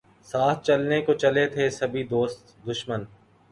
ساتھ چلنے کو چلے تھے سبھی دوست دشمن